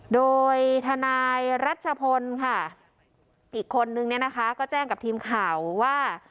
โดยทนายรัชพลค่ะอีกคนนึงเนี่ยนะคะก็แจ้งกับทีมข่าวว่า